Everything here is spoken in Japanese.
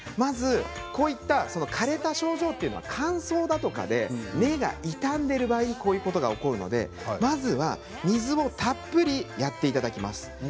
こうやって枯れた症状というのは乾燥とかで根が傷んでいる場合こういうことが起こるのでまずは水をたっぷりやっていただきます。